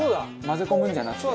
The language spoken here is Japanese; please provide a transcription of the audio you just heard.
混ぜ込むんじゃなくて。